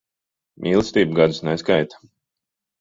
Mīlestība gadus neskaita.